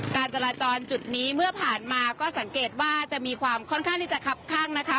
การจราจรจุดนี้เมื่อผ่านมาก็สังเกตว่าจะมีความค่อนข้างที่จะคับข้างนะคะ